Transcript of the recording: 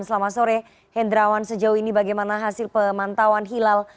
selamat sore hendrawan sejauh ini bagaimana hasil pemantauan hilal